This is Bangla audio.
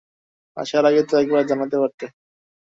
আসার আগে তো একবার জানাতে পারতে।